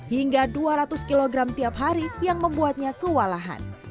hingga dua ratus kg tiap hari yang membuatnya kewalahan